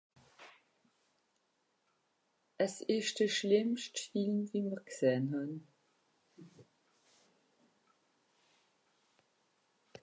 es esch de schlimmscht Film wie m'r g'sähn hàn